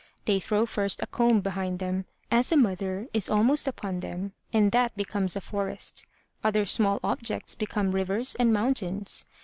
They throw first a comb behind them, as the mother is almost upon them, and that becomes a forest; other small objects become rivers and mountains.